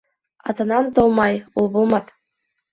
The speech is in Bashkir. Атанан тыумай ул булмаҫ